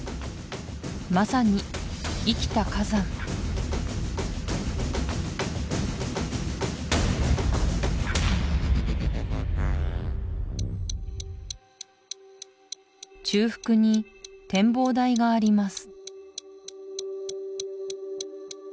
まさに生きた火山中腹に展望台があります